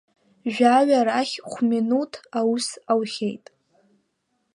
Жәаҩа рахь хә-минуҭ аус аухьеит.